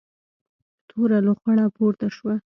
توره لوخړه پورته شوه.